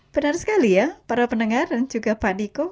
benar sekali ya para pendengar dan juga pak niko